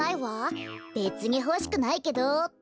「べつにほしくないけど」って。